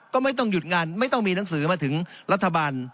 ก็ไม่ต้องหยุดงานไม่ต้องมีหนังสือมาถึงรัฐบาล